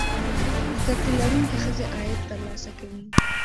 زده کړې لرونکې ښځې عاید ترلاسه کوي.